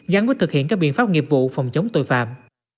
gắn với thực hiện các biện pháp nghiệp vụ phòng chống tội phạm